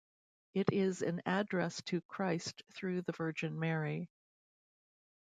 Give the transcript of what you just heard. It is an address to Christ through the Virgin Mary.